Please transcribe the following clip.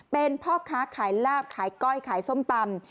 เป็นพ่อค้าขายลาบขายก้อยขายส้มตำ